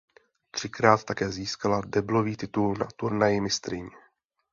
Třikrát také získala deblový titul na Turnaji mistryň.